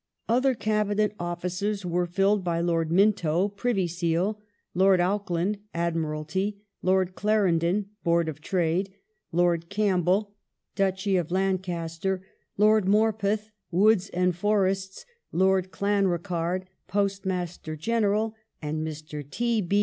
Other Cabinet offices were filled by Lord Minto (Privy Seal), Lord Auckland (Admimlty), Lord Clarendon (Board of Trade), Lord Campbell (Duchy of Lancaster), Lord Morpeth (Woods and Forests), I^ord Clanricarde (Postmaster General), and Mr. T. B.